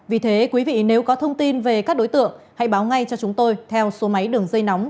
vì thế quý vị nếu có thông tin về các đối tượng hãy báo ngay cho chúng tôi theo số máy đường dây nóng